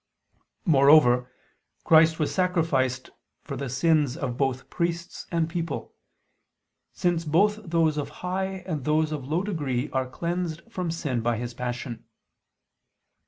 Moreover, Christ was sacrificed for the sins of both priests and people: since both those of high and those of low degree are cleansed from sin by His Passion.